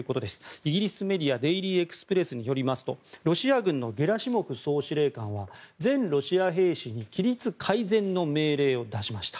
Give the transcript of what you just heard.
イギリスメディアデイリー・エクスプレスによるとロシア軍のゲラシモフ総司令官は全ロシア兵士に規律改善の命令を出しました。